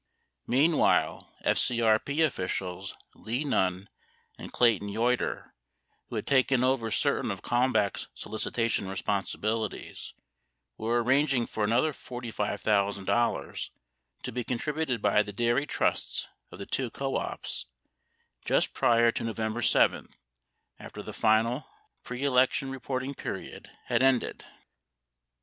Meanwhile, FCRP officials Lee Nunn and Clayton Yeutter, who had taken over certain of Kalmbach's solicitation responsibilities, were arranging for another $45,000 to be contributed by the dairy trusts of the two co ops just prior to November 7, after the final pre election reporting period had ended.